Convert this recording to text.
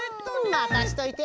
まかしといて！